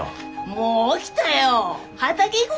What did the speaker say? もう起きたよ！